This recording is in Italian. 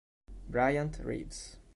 Bryant Reeves